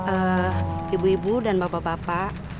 eh ibu ibu dan bapak bapak